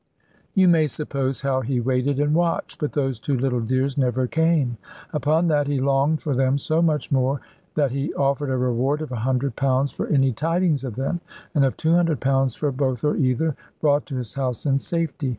You may suppose how he waited and watched; but those two little dears never came. Upon that he longed for them so much more that he offered a reward of £100 for any tidings of them, and of £200 for both or either, brought to his house in safety.